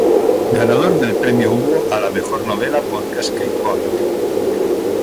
Ganador del premio Hugo a la mejor novela por "Cascade Point".